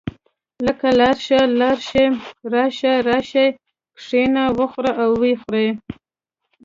لکه لاړ شه، لاړ شئ، راشه، راشئ، کښېنه، وخوره او وخورئ.